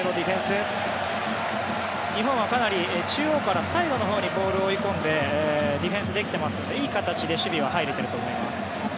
日本はかなり中央からサイドのほうにディフェンスできていますのでいい形で守備は入れていると思います。